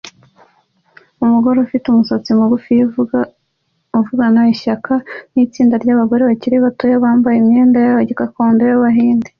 Umugore ufite umusatsi mugufi avugana ishyaka nitsinda ryabagore bakiri bato bambaye imyenda gakondo yabahinde